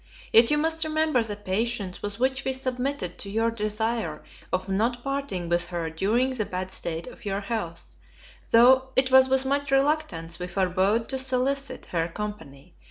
Yet you must remember the patience with which we submitted to your desire of not parting with her during the bad state of your health, tho' it was with much reluctance we forbore to solicit her company.